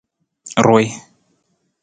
Ruwii.